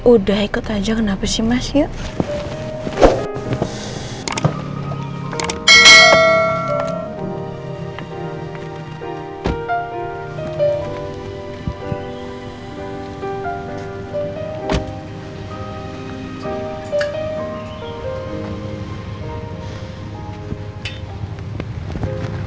udah ikut aja kenapa sih mas yuk